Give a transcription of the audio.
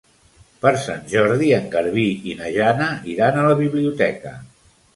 Per Sant Jordi en Garbí i na Jana iran a la biblioteca.